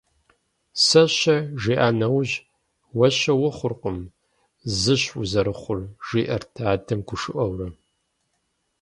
«Сэ-щэ?» жиӏа нэужь «Уэ щэ ухъуркъым, зыщ узэрыхъур» жиӏэрт адэм гушыӏэурэ.